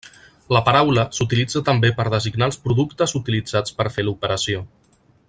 La paraula s'utilitza també per designar els productes utilitzats per fer l'operació.